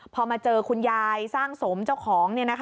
พอมาเจอคุณยายสร้างสมเจ้าของ